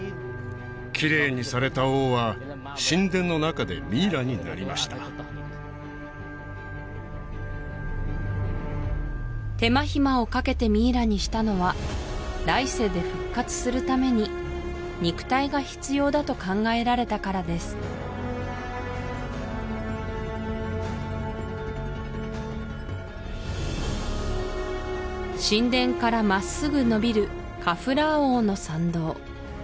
キレイにされた王は神殿の中でミイラになりました手間暇をかけてミイラにしたのは来世で復活するために肉体が必要だと考えられたからです神殿からまっすぐのびるカフラー王の参道